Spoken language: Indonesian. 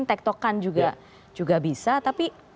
tektokan juga bisa tapi